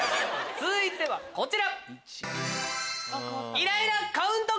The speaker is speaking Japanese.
続いてはこちら。